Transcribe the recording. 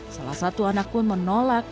salah satu anak pun menolak